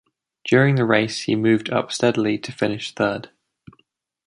During the race, he moved up steadily to finish third.